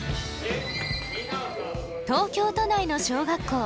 東京都内の小学校。